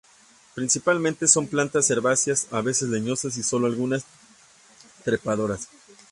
Principalmente son plantas herbáceas, a veces leñosas y sólo algunas trepadoras.